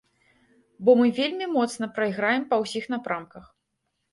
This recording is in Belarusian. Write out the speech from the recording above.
Бо мы вельмі моцна прайграем па ўсіх напрамках.